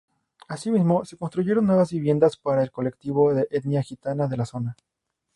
Asimismo se construyeron nuevas viviendas para el colectivo de etnia gitana de la zona.